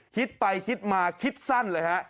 คิดไปคิดมาคิดสั้นเลยฮะ